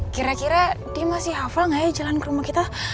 kira kira dia masih hafal gak ya jalan ke rumah kita